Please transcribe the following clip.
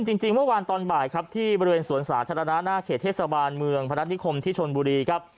จริงเมื่อวานตอนบ่ายครับที่บริเวณสวนสาธารณะหน้าเขตเทศบาลเมืองพนัฐนิคมที่ชนบุรีครับ